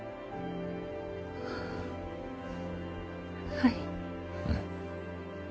はい。